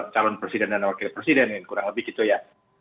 calon presiden dan wakil presiden kurang lebih gitu ya